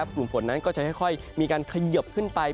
กลุ่มฝนนั้นก็จะค่อยมีการเขยิบขึ้นไป